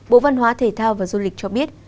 bộ văn hóa thể thao và du lịch cho biết